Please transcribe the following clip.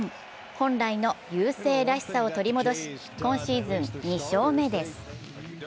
本来の雄星らしさを取り戻し今シーズン２勝目です。